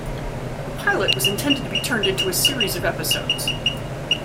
The pilot was intended to be turned into a series of episodes.